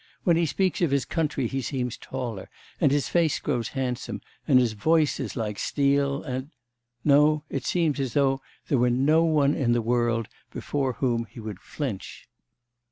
When he speaks of his country he seems taller, and his face grows handsome, and his voice is like steel, and... no... it seems as though there were no one in the world before whom he would flinch.